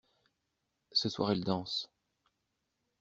Ce soir elle danse.